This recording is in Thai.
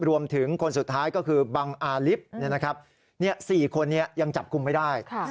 รวมถึงคนสุดท้ายก็คือบังอาริฟต์สี่คนยังจับกลุ่มไม่ได้